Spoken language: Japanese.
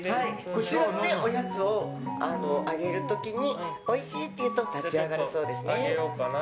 こちらのおやつをあげる時においしいって言うと立ち上がるそうですね。